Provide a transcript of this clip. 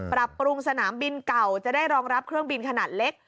ปรับปรุงสนามบินเก่าจะได้รองรับเครื่องบินขนาดเล็ก